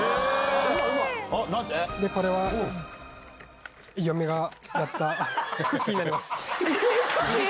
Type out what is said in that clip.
これは、嫁が焼いたクッキーになります。